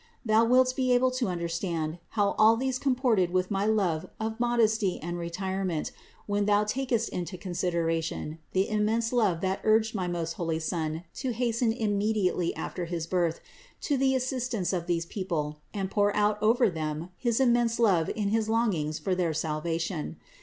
Thou wilt be able to understand how all this comported with my love of modesty and retirement, when thou takest into consideration the immense love that urged my most holy Son to hasten immediately after his birth to the assistance of these people and pour out over them his immense love in his longings for their salvation.